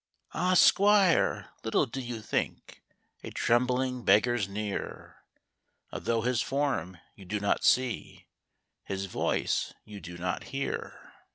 Ah, Squire ! little do you think A trembling beggar's near, Although his form you do not see, His voice you do not hear.